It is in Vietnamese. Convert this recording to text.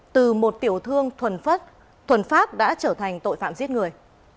từ một tiểu thương thuần pháp đã trở thành tội phạm giết người